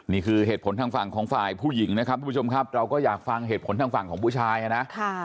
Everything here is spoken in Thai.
นี่คือเหตุผลทางฝั่งของฝ่ายผู้หญิงนะครับทุกผู้ชมครับเราก็อยากฟังเหตุผลทางฝั่งของผู้ชายนะ